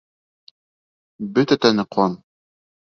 Бөтә тәне -ҡан...